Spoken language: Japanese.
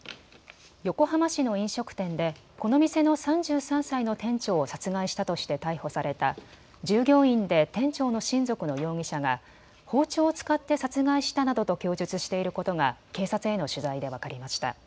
横浜市の飲食店でこの店の３３歳の店長を殺害したとして逮捕された従業員で店長の親族の容疑者が包丁を使って殺害したなどと供述していることが警察への取材で分かりました。